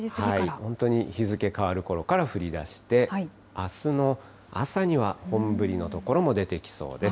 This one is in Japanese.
本当に日付変わるころから降りだして、あすの朝には本降りの所も出てきそうです。